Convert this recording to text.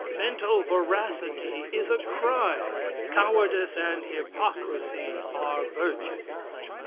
Mental veracity is a crime, cowardice and hypocrisy are virtues.